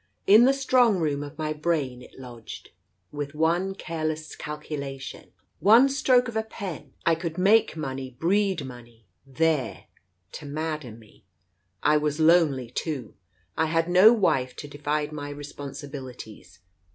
In the strong room of my brain it lodged. With one careless calculation, one stroke of a pen, I could make money breed money there to madden me. I was lonely, too. I had no wife to divide my responsibilities.